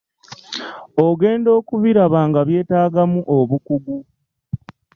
Ogenda okubiraba nga byetaagamu obukugu.